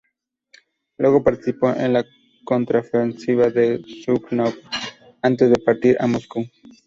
Luego participó en la contraofensiva de Zhúkov antes de partir a Moscú.